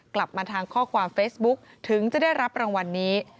กลับมาทางข้อความเฟซบุ๊คถึงจะได้รับรางวัลนี้